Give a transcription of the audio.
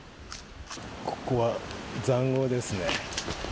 ここはざんごうですね。